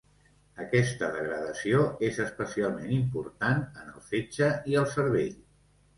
Aquesta degradació és especialment important en el fetge i el cervell.